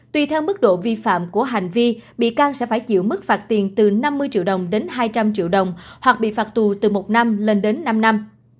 tùy theo mức độ vi phạm của hành vi bị can sẽ phải chịu mức phạt tiền từ năm mươi triệu đồng đến hai trăm linh triệu đồng hoặc bị phạt tù từ một năm lên đến năm năm